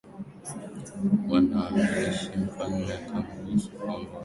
wanaishi Mfalme akamruhusu akamwomba atafute kule walimu